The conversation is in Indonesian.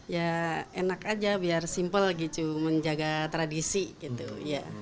ya enak aja biar simple gitu menjaga tradisi gitu